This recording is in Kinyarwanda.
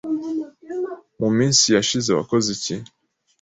mu minsi yashize wakoze iki